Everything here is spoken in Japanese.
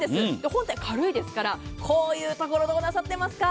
本体軽いですから、こういうところなさってますか？